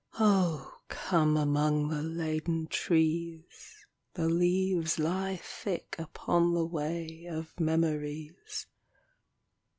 O come among the laden trees : The leaves lie thick upon the way Of memories.